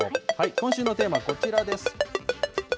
今週のテーマはこちらです。